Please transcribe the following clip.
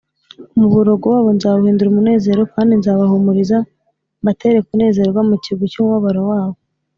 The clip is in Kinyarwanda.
“umuborogo wabo nzawuhindura umunezero kandi nzabahumuriza mbatere kunezerwa mu kigwi cy’umubabaro wabo